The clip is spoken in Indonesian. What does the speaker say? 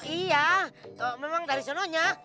iya memang dari senonahnya